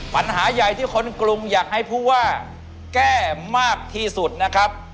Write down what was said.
ปัญหาใหญ่ที่คนกรุงอยากให้ผู้ว่าแก้มากที่สุดนะครับ